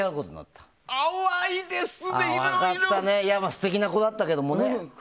素敵な子だったけどね。